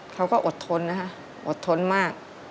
เขาก็อดทนนะคะอดทนมาก